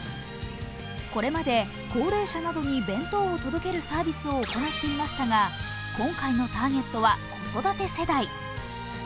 これまで、高齢者などに弁当を届けるサービスを行っていましたが今回のターゲットは子育て世代。